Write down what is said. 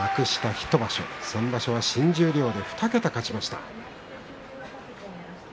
１場所先場所、新十両で２桁勝ちました。